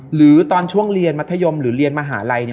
หรือตอนช่วงเรียนมัธยมหรือเรียนมหาลัยเนี่ย